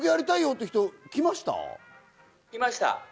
いました。